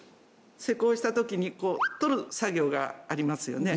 施工したときに取る作業がありますよね